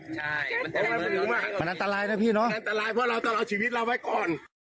ใช่มันอันตรายนะพี่น้องอันตรายเพราะเราต้องเอาชีวิตเราไว้ก่อน